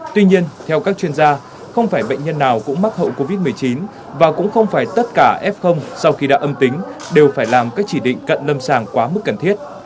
tuy nhiên theo các chuyên gia không phải bệnh nhân nào cũng mắc hậu covid một mươi chín và cũng không phải tất cả f sau khi đã âm tính đều phải làm các chỉ định cận lâm sàng quá mức cần thiết